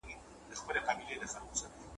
یک تنها مو تر نړۍ پوري راتله دي `